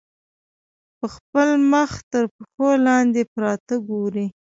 په خپل مخ کې تر پښو لاندې پراته ګوري.